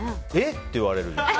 って言われる。